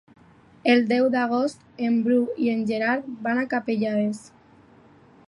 El deu d'agost en Bru i en Gerard van a Capellades.